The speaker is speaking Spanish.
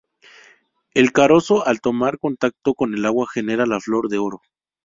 El carozo al tomar contacto con el agua, genera la "Flor de oro".